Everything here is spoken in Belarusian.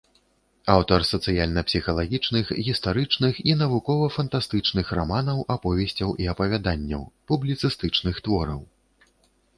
Аўтар сацыяльна-псіхалагічных, гістарычных і навукова-фантастычных раманаў, аповесцяў і апавяданняў, публіцыстычных твораў.